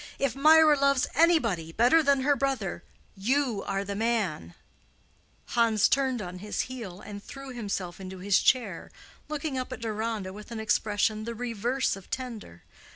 If Mirah loves anybody better than her brother, you are the man." Hans turned on his heel and threw himself into his chair, looking up at Deronda with an expression the reverse of tender.